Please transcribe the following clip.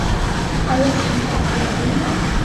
آیا عصري زده کړې کیږي؟